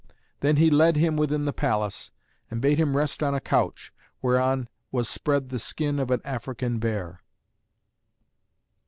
Then he led him within the palace, and bade him rest on a couch, whereon was spread the skin of an African bear.